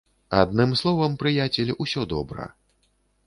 Адным словам, прыяцель, усё добра.